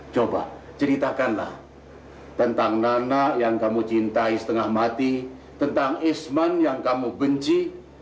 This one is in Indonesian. coba ceritakanlah tentang nana yang kamu cintai setengah mati tentang isman yang kamu benci